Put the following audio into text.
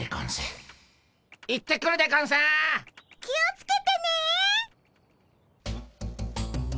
気を付けてね！